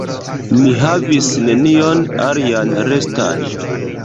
Mi havis nenion alian restan.